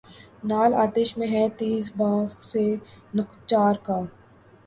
نعل آتش میں ہے تیغ یار سے نخچیر کا